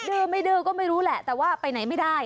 ดื้อไม่ดื้อก็ไม่รู้แหละแต่ว่าไปไหนไม่ได้